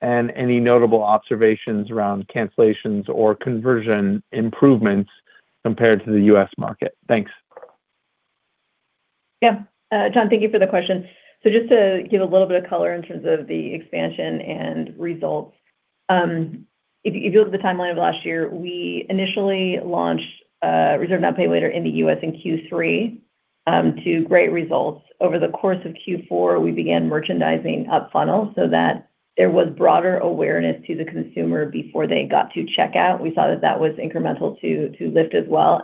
S11: and any notable observations around cancellations or conversion improvements compared to the U.S. market. Thanks.
S4: John, thank you for the question. Just to give a little bit of color in terms of the expansion and results, if you look at the timeline of last year, we initially launched Reserve Now, Pay Later in the U.S. in Q3 to great results. Over the course of Q4, we began merchandising up funnel so that there was broader awareness to the consumer before they got to checkout. We saw that that was incremental to lift as well.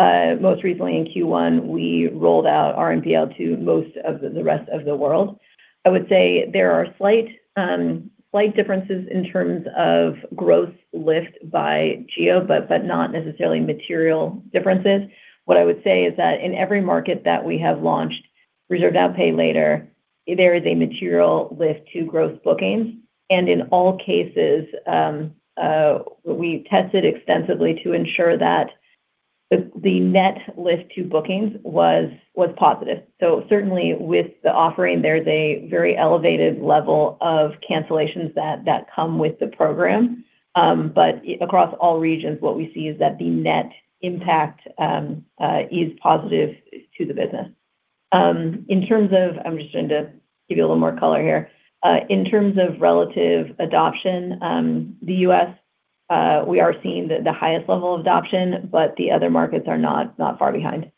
S4: Most recently in Q1, we rolled out RNPL to most of the rest of the world. I would say there are slight differences in terms of growth lift by geo, but not necessarily material differences. What I would say is that in every market that we have launched Reserve Now, Pay Later, there is a material lift to gross bookings. In all cases, we tested extensively to ensure that the net lift to bookings was positive. Certainly with the offering, there's a very elevated level of cancellations that come with the program. Across all regions, what we see is that the net impact is positive to the business. I'm just going to give you a little more color here. In terms of relative adoption, the U.S. we are seeing the highest level of adoption, but the other markets are not far behind.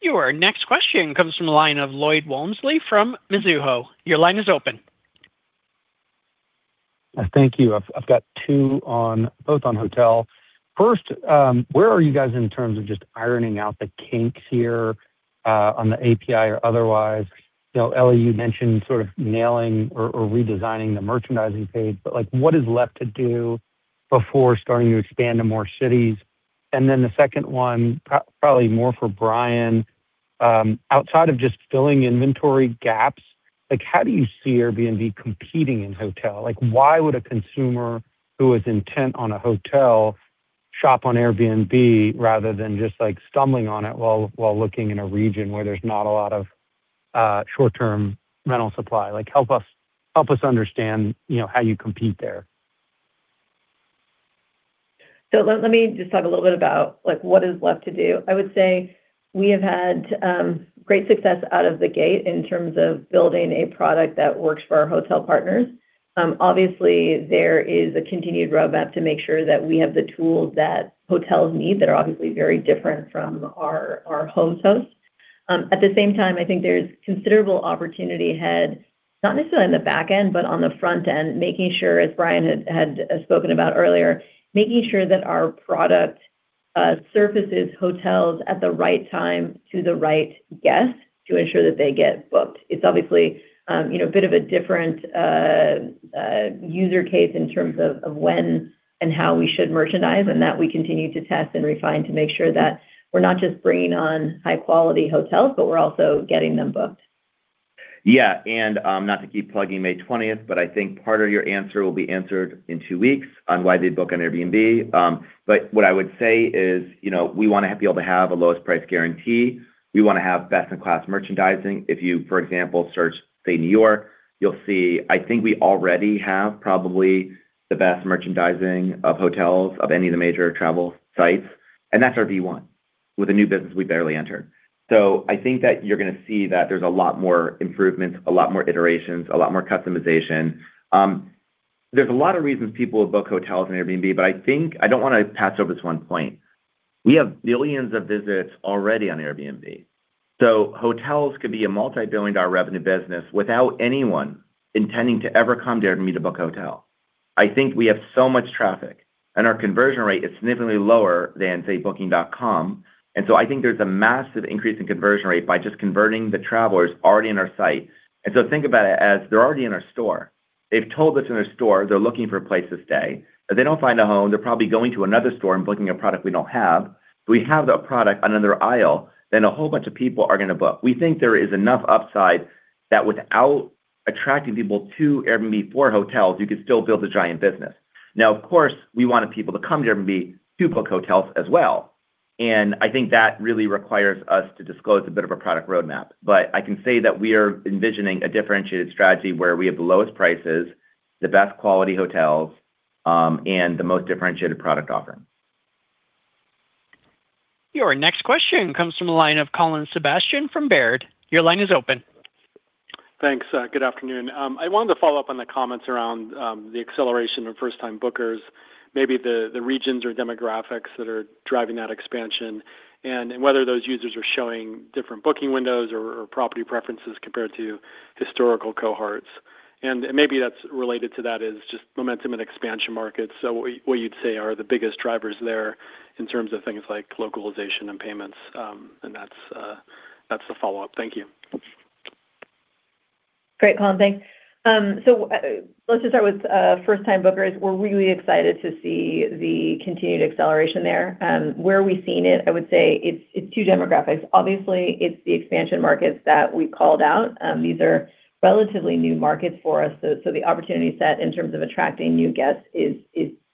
S1: Your next question comes from the line of Lloyd Walmsley from Mizuho. Your line is open.
S12: Thank you. I've got two on both on hotel. First, where are you guys in terms of just ironing out the kinks here on the API or otherwise? You know, Ellie, you mentioned sort of nailing or redesigning the merchandising page, like, what is left to do before starting to expand to more cities? The second one, probably more for Brian, outside of just filling inventory gaps, like, how do you see Airbnb competing in hotel? Like, why would a consumer who is intent on a hotel shop on Airbnb rather than just, like, stumbling on it while looking in a region where there's not a lot of short-term rental supply? Like, help us understand, you know, how you compete there.
S4: Let me just talk a little bit about, like, what is left to do. I would say we have had great success out of the gate in terms of building a product that works for our hotel partners. Obviously, there is a continued roadmap to make sure that we have the tools that hotels need that are obviously very different from our host hosts. At the same time, I think there's considerable opportunity ahead, not necessarily on the back end, but on the front end, making sure, as Brian had spoken about earlier, making sure that our product surfaces hotels at the right time to the right guest to ensure that they get booked. It's obviously, you know, a bit of a different user case in terms of when and how we should merchandise, and that we continue to test and refine to make sure that we're not just bringing on high-quality hotels, but we're also getting them booked.
S3: Yeah. Not to keep plugging May 20th, but I think part of your answer will be answered in two weeks on why they book on Airbnb. What I would say is, you know, we want to be able to have a lowest price guarantee. We want to have best-in-class merchandising. If you, for example, search, say, New York, you'll see, I think we already have probably the best merchandising of hotels of any of the major travel sites, and that's our V1 with a new business we barely entered. I think that you're going to see that there's a lot more improvements, a lot more iterations, a lot more customization. There's a lot of reasons people book hotels on Airbnb, but I don't want to pass over this one point. We have billions of visits already on Airbnb. Hotels could be a $multi-billion revenue business without anyone intending to ever come to Airbnb to book a hotel. I think we have so much traffic, and our conversion rate is significantly lower than, say, Booking.com. I think there's a massive increase in conversion rate by just converting the travelers already in our site. Think about it as they're already in our store. They've told us in a store they're looking for a place to stay. If they don't find a home, they're probably going to another store and booking a product we don't have. If we have that product on another aisle, then a whole bunch of people are gonna book. We think there is enough upside that without attracting people to Airbnb for hotels, you could still build a giant business. Now, of course, we wanted people to come to Airbnb to book hotels as well, and I think that really requires us to disclose a bit of a product roadmap. I can say that we are envisioning a differentiated strategy where we have the lowest prices, the best quality hotels, and the most differentiated product offering.
S1: Your next question comes from the line of Colin Sebastian from Baird. Your line is open.
S13: Thanks. Good afternoon. I wanted to follow up on the comments around the acceleration of first-time bookers, maybe the regions or demographics that are driving that expansion, and whether those users are showing different booking windows or property preferences compared to historical cohorts. Maybe that's related to that is just momentum in expansion markets. What you'd say are the biggest drivers there in terms of things like localization and payments, and that's the follow-up. Thank you.
S4: Great, Colin. Thanks. Let's just start with first-time bookers. We're really excited to see the continued acceleration there. Where we've seen it, I would say it's two demographics. Obviously, it's the expansion markets that we called out. These are relatively new markets for us, so the opportunity set in terms of attracting new guests is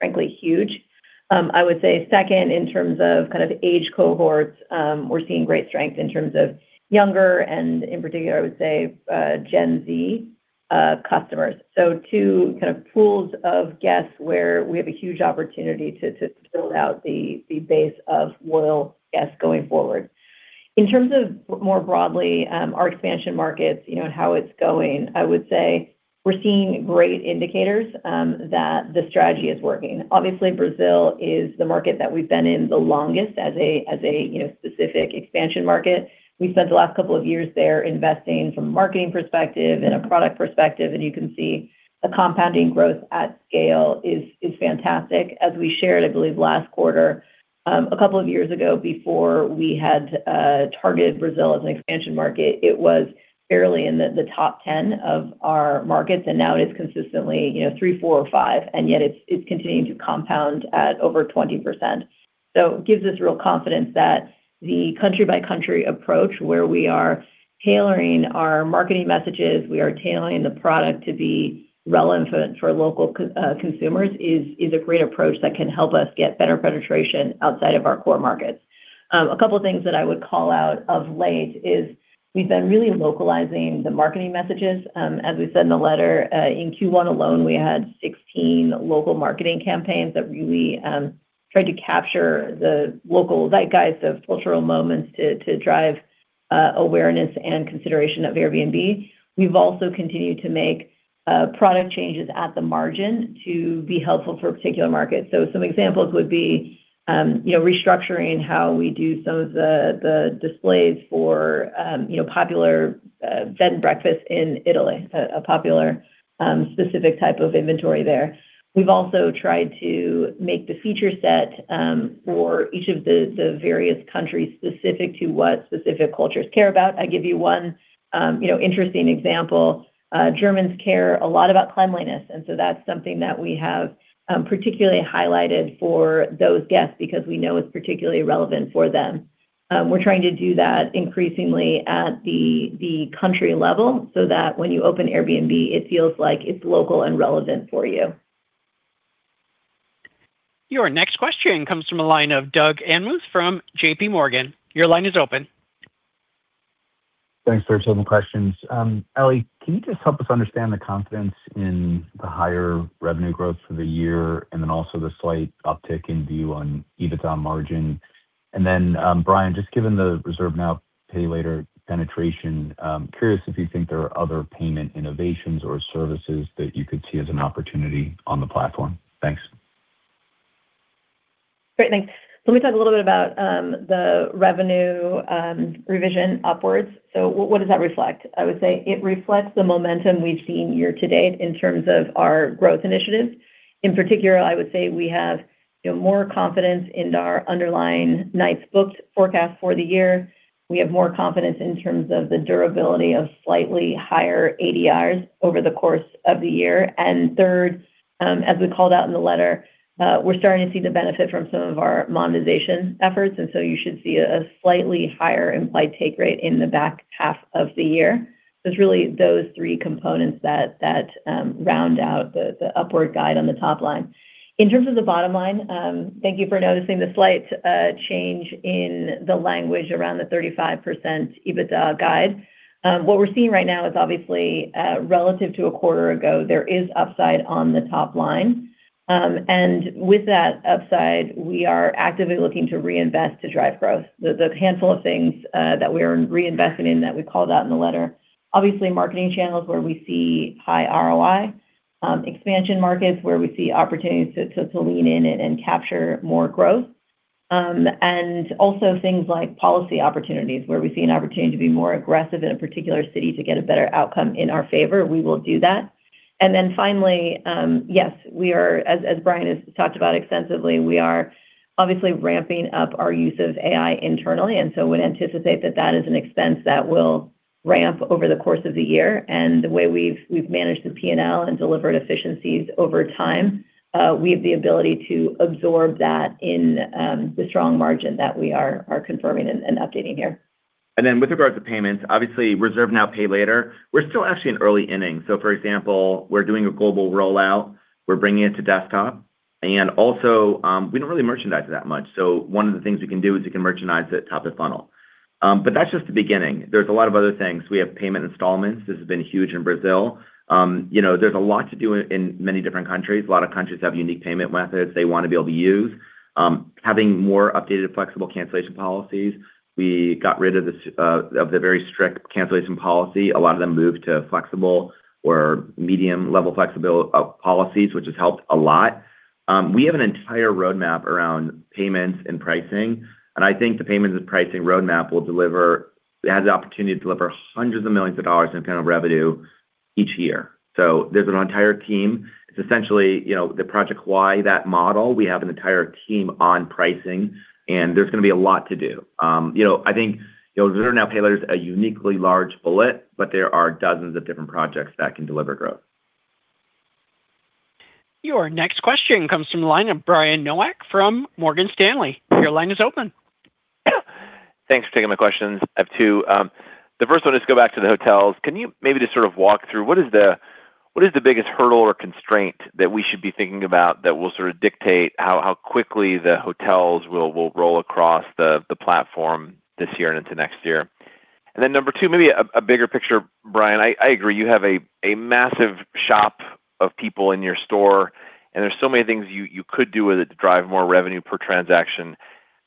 S4: frankly huge. I would say second, in terms of kind of age cohorts, we're seeing great strength in terms of younger and in particular, I would say, Gen Z customers. Two kind of pools of guests where we have a huge opportunity to build out the base of loyal guests going forward. In terms of more broadly, our expansion markets, you know, and how it's going, I would say we're seeing great indicators that the strategy is working. Brazil is the market that we've been in the longest as a, you know, specific expansion market. We've spent the last couple of years there investing from a marketing perspective and a product perspective, you can see the compounding growth at scale is fantastic. As we shared, I believe, last quarter, a couple of years ago before we had targeted Brazil as an expansion market, it was barely in the top 10 of our markets, now it is consistently, you know, three, four, or five, yet it's continuing to compound at over 20%. It gives us real confidence that the country-by-country approach, where we are tailoring our marketing messages, we are tailoring the product to be relevant for local consumers, is a great approach that can help us get better penetration outside of our core markets. A couple things that I would call out of late is we've been really localizing the marketing messages. As we said in the letter, in Q1 alone, we had 16 local marketing campaigns that really tried to capture the local zeitgeist of cultural moments to drive awareness and consideration of Airbnb. We've also continued to make product changes at the margin to be helpful for a particular market. Some examples would be, restructuring how we do some of the displays for, popular bed and breakfast in Italy, a popular specific type of inventory there. We've also tried to make the feature set for each of the various countries specific to what specific cultures care about. I give you one interesting example. Germans care a lot about cleanliness, that's something that we have particularly highlighted for those guests because we know it's particularly relevant for them. We're trying to do that increasingly at the country level, so that when you open Airbnb, it feels like it's local and relevant for you.
S1: Your next question comes from the line of Doug Anmuth from J.P. Morgan. Your line is open.
S14: Thanks for taking the questions. Ellie, can you just help us understand the confidence in the higher revenue growth for the year, also the slight uptick in view on EBITDA margin? Brian, just given the Reserve Now, Pay Later penetration, curious if you think there are other payment innovations or services that you could see as an opportunity on the platform. Thanks.
S4: Great. Thanks. Let me talk a little bit about the revenue revision upwards. What does that reflect? I would say it reflects the momentum we've seen year to date in terms of our growth initiatives. In particular, I would say we have, you know, more confidence in our underlying nights booked forecast for the year. We have more confidence in terms of the durability of slightly higher ADRs over the course of the year. Third, as we called out in the letter, we're starting to see the benefit from some of our monetization efforts, you should see a slightly higher implied take rate in the back half of the year. It's really those three components that round out the upward guide on the top line. In terms of the bottom line, thank you for noticing the slight change in the language around the 35% EBITDA guide. What we're seeing right now is obviously, relative to a quarter ago, there is upside on the top line. With that upside, we are actively looking to reinvest to drive growth. The handful of things that we are reinvesting in that we called out in the letter, obviously marketing channels where we see high ROI, expansion markets where we see opportunities to lean in and capture more growth. Also things like policy opportunities, where we see an opportunity to be more aggressive in a particular city to get a better outcome in our favor, we will do that. Finally, yes, we are, as Brian has talked about extensively, we are obviously ramping up our use of AI internally, would anticipate that that is an expense that will ramp over the course of the year. The way we've managed the P&L and delivered efficiencies over time, we have the ability to absorb that in the strong margin that we are confirming and updating here.
S3: With regards to payments, obviously Reserve Now, Pay Later, we're still actually in early innings. For example, we're doing a global rollout. We're bringing it to desktop. We don't really merchandise it that much. One of the things we can do is we can merchandise it top of funnel. That's just the beginning. There's a lot of other things. We have payment installments. This has been huge in Brazil. You know, there's a lot to do in many different countries. A lot of countries have unique payment methods they want to be able to use. Having more updated flexible cancellation policies. We got rid of the very strict cancellation policy. A lot of them moved to flexible or medium-level policies, which has helped a lot. We have an entire roadmap around payments and pricing, and I think the payments and pricing roadmap will deliver it has the opportunity to deliver hundreds of millions of dollars in revenue each year. There's an entire team. It's essentially, you know, the Project Hawaii, that model. We have an entire team on pricing, and there's gonna be a lot to do. You know, I think, you know, Reserve Now, Pay Later is a uniquely large bullet, but there are dozens of different projects that can deliver growth.
S1: Your next question comes from the line of Brian Nowak from Morgan Stanley. Your line is open.
S15: Thanks for taking my questions. I have two. The first one is go back to the hotels. Can you maybe just sort of walk through what is? What is the biggest hurdle or constraint that we should be thinking about that will dictate how quickly the hotels will roll across the platform this year and into next year? Then number two, maybe a bigger picture, Brian. I agree, you have a massive shop of people in your store, and there's so many things you could do with it to drive more revenue per transaction.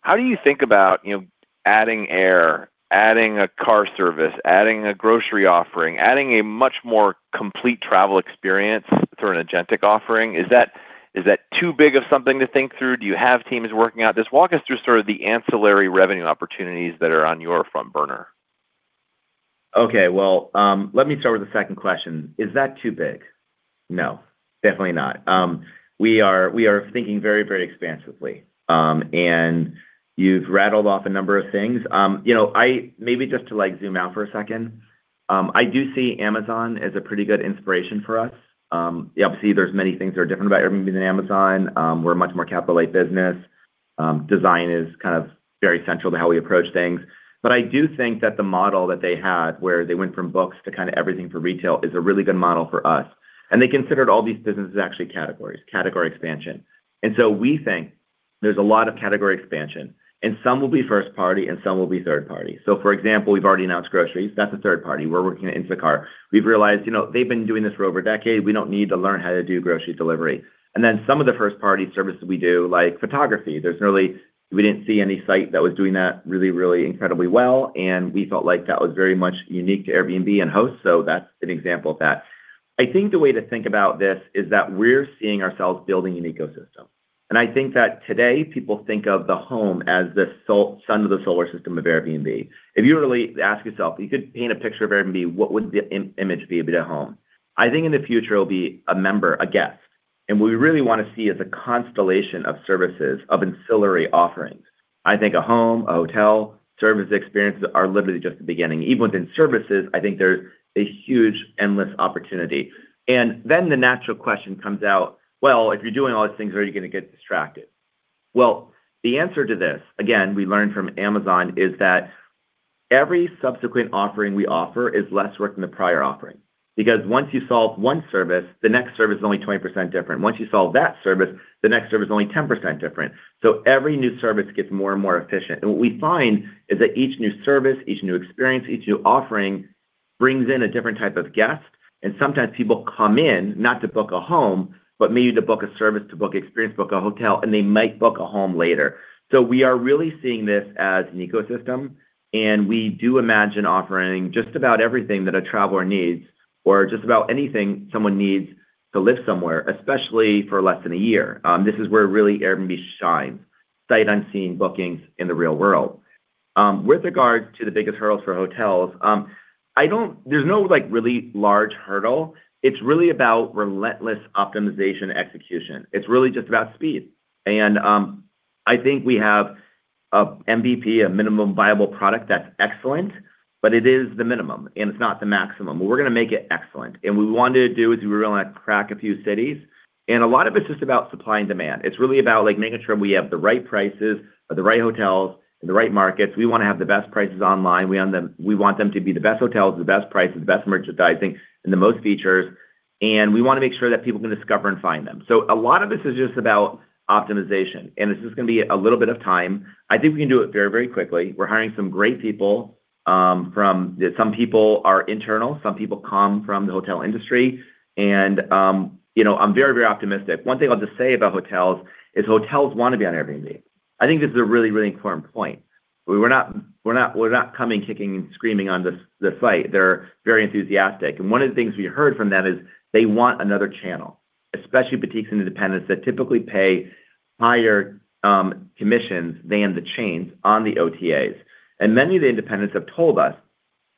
S15: How do you think about, you know, adding air, adding a car service, adding a grocery offering, adding a much more complete travel experience through an agentic offering? Is that too big of something to think through? Do you have teams working out this? Walk us through sort of the ancillary revenue opportunities that are on your front burner.
S3: Okay. Well, let me start with the second question. Is that too big? No, definitely not. We are thinking very, very expansively. You've rattled off a number of things. You know, maybe just to like zoom out for a second. I do see Amazon as a pretty good inspiration for us. Obviously, there's many things that are different about Airbnb than Amazon. We're a much more capital light business. Design is kind of very central to how we approach things. I do think that the model that they had where they went from books to kind of everything for retail is a really good model for us. They considered all these businesses as actually categories, category expansion. We think there's a lot of category expansion, and some will be first party and some will be third party. For example, we've already announced groceries. That's a third party. We're working at Instacart. We've realized, you know, they've been doing this for over a decade. We don't need to learn how to do grocery delivery. Some of the first party services we do like photography. We didn't see any site that was doing that really, really incredibly well, and we felt like that was very much unique to Airbnb and hosts. That's an example of that. I think the way to think about this is that we're seeing ourselves building an ecosystem. I think that today, people think of the home as the sun of the solar system of Airbnb. If you really ask yourself, you could paint a picture of Airbnb, what would the image be it a home? I think in the future, it'll be a member, a guest. What we really wanna see is a constellation of services, of ancillary offerings. I think a home, a hotel, service experiences are literally just the beginning. Even within services, I think there's a huge endless opportunity. The natural question comes out, well, if you're doing all these things, are you gonna get distracted? The answer to this, again, we learned from Amazon, is that every subsequent offering we offer is less work than the prior offering. Once you solve one service, the next service is only 20% different. Once you solve that service, the next service is only 10% different. Every new service gets more and more efficient. What we find is that each new service, each new experience, each new offering brings in a different type of guest. Sometimes people come in not to book a home, but maybe to book a service, to book experience, book a hotel, and they might book a home later. We are really seeing this as an ecosystem, and we do imagine offering just about everything that a traveler needs or just about anything someone needs to live somewhere, especially for less than a year. This is where really Airbnb shines, sight unseen bookings in the real world. With regards to the biggest hurdles for hotels, there's no, like, really large hurdle. It's really about relentless optimization execution. It's really just about speed. I think we have a MVP, a minimum viable product that's excellent, but it is the minimum and it's not the maximum. We're gonna make it excellent. What we want to do is we wanna crack a few cities, and a lot of it's just about supply and demand. It's really about, like, making sure we have the right prices or the right hotels in the right markets. We wanna have the best prices online. We want them to be the best hotels, the best prices, the best merchandising, and the most features, and we wanna make sure that people can discover and find them. A lot of this is just about optimization, and this is gonna be a little bit of time. I think we can do it very, very quickly. We're hiring some great people. Some people are internal, some people come from the hotel industry. You know, I'm very, very optimistic. One thing I'll just say about hotels is hotels wanna be on Airbnb. I think this is a really, really important point. We're not coming, kicking, and screaming on the site. They're very enthusiastic. One of the things we heard from them is they want another channel, especially boutiques and independents that typically pay higher commissions than the chains on the OTAs. Many of the independents have told us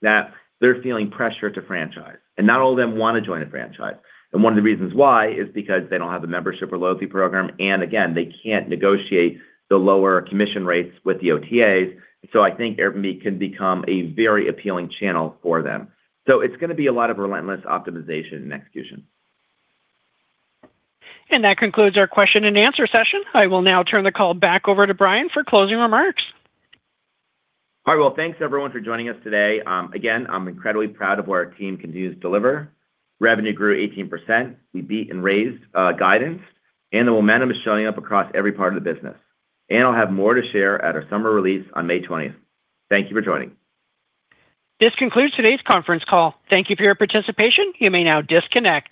S3: that they're feeling pressure to franchise, and not all of them wanna join a franchise. One of the reasons why is because they don't have the membership or loyalty program, and again, they can't negotiate the lower commission rates with the OTAs. I think Airbnb can become a very appealing channel for them. It's gonna be a lot of relentless optimization and execution.
S1: That concludes our question and answer session. I will now turn the call back over to Brian for closing remarks.
S3: All right. Well, thanks everyone for joining us today. Again, I'm incredibly proud of what our team continues to deliver. Revenue grew 18%. We beat and raised guidance, the momentum is showing up across every part of the business. I'll have more to share at our summer release on May 20th. Thank you for joining.
S1: This concludes today's Conference call. Thank you for your participation. You may now disconnect.